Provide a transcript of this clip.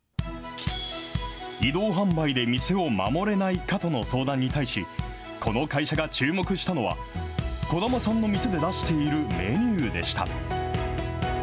移動販売で店を守れないかとの相談に対し、この会社が注目したのは、児玉さんの店で出しているメニューでした。